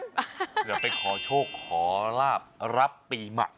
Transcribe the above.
เดี๋ยวไปขอโชคขอลาบรับปีหมด